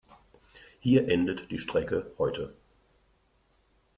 Hier endet die Strecke heute.